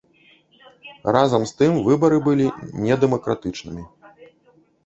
Разам з тым, выбары былі недэмакратычнымі.